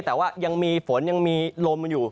แต่ว่ายังมีฝนยังมีลมอยู่